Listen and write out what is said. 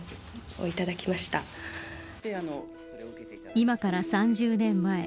今から３０年前。